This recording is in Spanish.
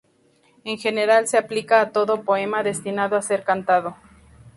En general se aplica a todo poema destinado a ser cantado.